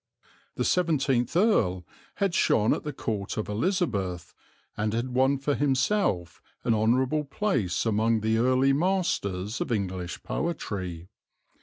The seventeenth Earl had shone at the Court of Elizabeth, and had won for himself an honourable place among the early masters of English poetry.